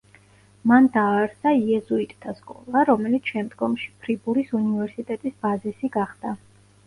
მან დააარსა იეზუიტთა სკოლა, რომელიც შემდგომში ფრიბურის უნივერსიტეტის ბაზისი გახდა.